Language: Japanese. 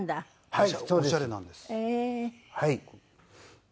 はい。